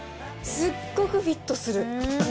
すっごくフィットする。